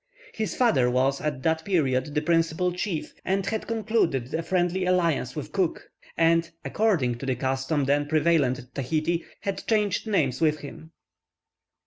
His father was, at that period, the principal chief, and had concluded a friendly alliance with Cook, and, according to the custom then prevalent at Tahiti, had changed names with him.